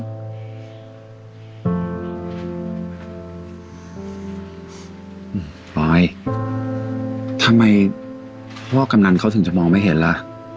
ปลอยทำไมพ่อกำนันเขาถึงจะมองไม่เห็นล่ะ